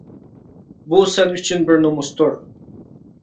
بۇ سەن ئۈچۈن بىر نومۇستۇر.